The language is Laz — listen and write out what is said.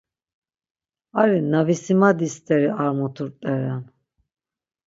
Ari na visimadi steri ar mutu rt̆eren.